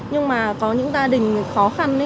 nhưng mà có những gia đình khó khăn ấy